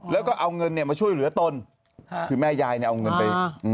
แล้วก็เอาเงินมาช่วยเหลือตนคือแม่ยายเนี่ยเอาเงินไป